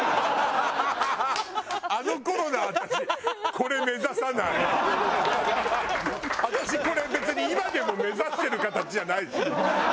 私これ別に今でも目指してる形じゃないし。